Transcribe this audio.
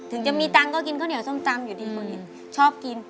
ถึงจะมีตังค์ก็กินข้าวเหนียวส้มตำอยู่ดีคุณชอบกิน